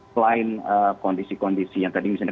selain kondisi kondisi yang tadi misalnya